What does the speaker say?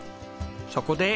そこで。